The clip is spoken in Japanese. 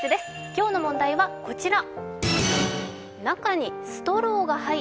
今日の問題はこちら。